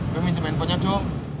gue minjem handphonenya dong